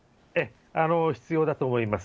必要だと思います。